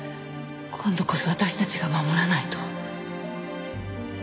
今度こそ私たちが守らないと。